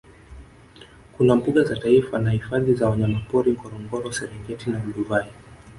Kuna mbuga za taifa na hifadhi za wanyamapori Ngorongoro Serengeti na Olduvai